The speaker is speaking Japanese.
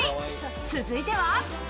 続いては。